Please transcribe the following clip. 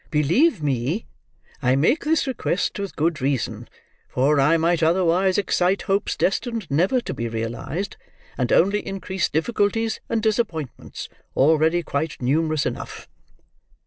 Believe me, I make this request with good reason, for I might otherwise excite hopes destined never to be realised, and only increase difficulties and disappointments already quite numerous enough.